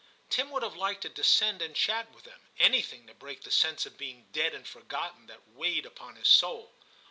Tim would have liked to descend and chat with them, — anything to break the sense of being dead and forgotten that weighed upon his soul.